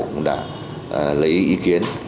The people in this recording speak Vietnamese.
cũng đã lấy ý kiến